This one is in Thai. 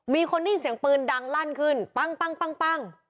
มีคนได้ยินเสียงปืนดังลั่นขึ้นปั้ง